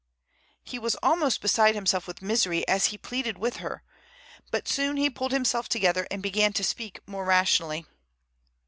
He was almost beside himself with misery as he pleaded with her. But soon he pulled himself together and began to speak more rationally.